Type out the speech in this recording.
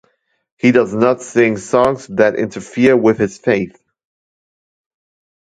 He does not sing songs that interfere with his faith.